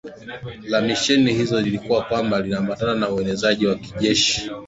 la misheni hizo lilikuwa kwamba liliambatana na uenezaji wa kijeshi wa